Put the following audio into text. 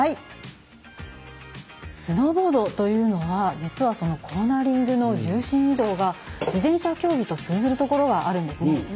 スノーボードというのは実は、コーナリングの重心移動が自転車競技と通ずるところがあるんですね。